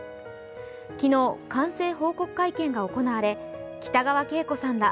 昨日、完成報告会見が行われ、北川景子さんら